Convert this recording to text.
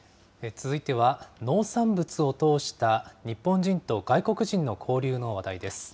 続いては農産物を通した日本人と外国人の交流の話題です。